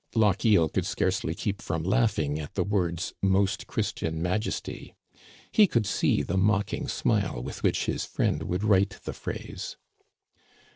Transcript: Lochiel could scarcely keep from laughing at the words "Most Christian Majesty." He could see the mocking smile with which his friend would write the phrase.